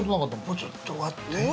ちょっと待って。